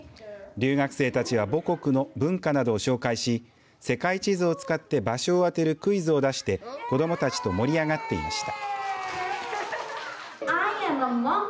留学生たちは母国の文化などを紹介し世界地図を使って場所を当てるクイズを出して子どもたちと盛り上がっていました。